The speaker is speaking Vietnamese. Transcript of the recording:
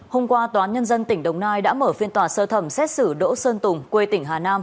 hôm qua tòa án nhân dân tỉnh đồng nai đã mở phiên tòa sơ thẩm xét xử đỗ sơn tùng quê tỉnh hà nam